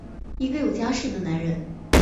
一个有家室的男人！